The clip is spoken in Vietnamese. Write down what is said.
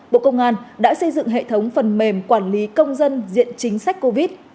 bộ công an đã xây dựng hệ thống phần mềm quản lý công dân diện chính sách covid